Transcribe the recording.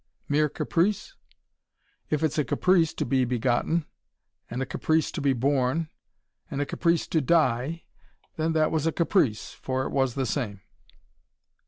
"Mere caprice?" "If it's a caprice to be begotten and a caprice to be born and a caprice to die then that was a caprice, for it was the same."